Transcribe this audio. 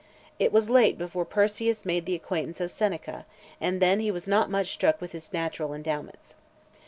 It was late before Persius made the acquaintance of Seneca, and then he was not much struck with his natural endowments.